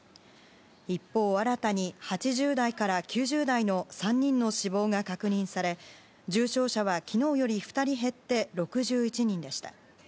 一方、新たに８０代から９０代の３人の死亡が確認され重症者は昨日より２人減って６１人でした。